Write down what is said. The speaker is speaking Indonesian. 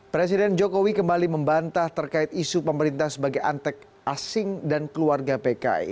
presiden jokowi kembali membantah terkait isu pemerintah sebagai antek asing dan keluarga pki